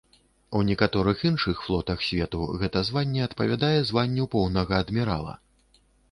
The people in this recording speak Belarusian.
У некаторых іншых флотах свету гэта званне адпавядае званню поўнага адмірала.